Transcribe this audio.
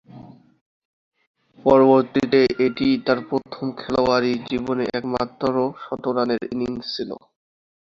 পরবর্তীতে এটিই তার প্রথম খেলোয়াড়ী জীবনে একমাত্র শতরানের ইনিংস ছিল।